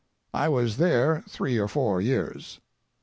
I was there three or four years.